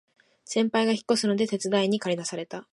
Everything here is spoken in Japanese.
先輩が引っ越すので手伝いにかり出された